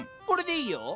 これでいいよ。